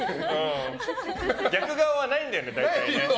逆側はないんだよね、大体。